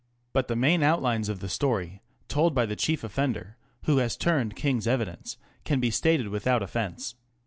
But the main outlines of the story, told by the chief offender, who has turned King's evidence, can be stated without offence.